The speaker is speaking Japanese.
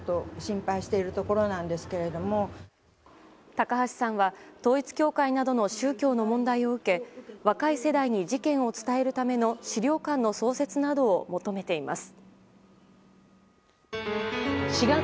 高橋さんは統一教会などの宗教の問題を受け若い世代に事件を伝えるための資料館の創設などを求めています。